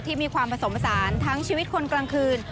มีความผสมผสานทั้งชีวิตคนกลางคืน